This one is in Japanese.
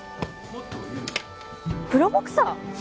プロボクサー！？